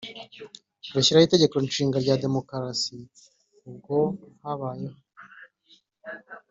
rushyiraho itegekonshinga rya kidemokarasi. ubwo habayeho